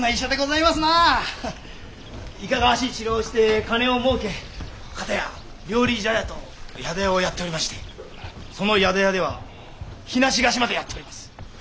いかがわしい治療をして金を儲け片や料理茶屋と宿屋をやっておりましてその宿屋では日済貸しまでやっております。